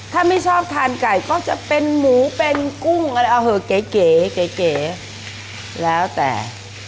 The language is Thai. ถ้าไม่ชอบทานไก่ก็จะเป็นหมูเป็นกุ้งอะไรเอาเหอะเก๋เก๋แล้วแต่